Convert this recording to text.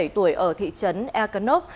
hai mươi bảy tuổi ở thị trấn ercanop